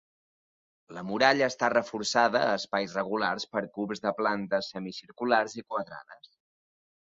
La muralla està reforçada a espais regulars per cubs de plantes semicirculars i quadrades.